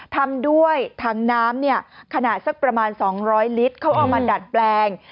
ทำด้วยถังน้ำเนี่ยขนาดสักประมาณ๒๐๐ลิตรเขาเอามาดัดแปลง